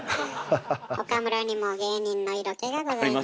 岡村にも芸人の色気がございます。